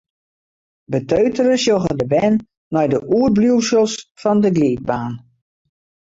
Beteutere sjogge de bern nei de oerbliuwsels fan de glydbaan.